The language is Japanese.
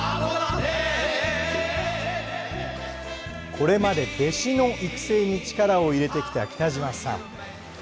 これまで弟子の育成に力を入れてきた北島さん。